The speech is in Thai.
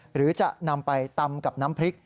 หรือจะนำไปตำกับน้ำพริก